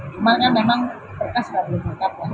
kemana memang berkas baru mengungkapkan